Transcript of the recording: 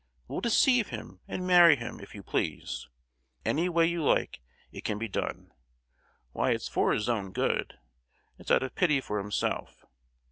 We'll deceive him and marry him, if you please! Any way you like, it can be done! Why, it's for his own good; it's out of pity for himself!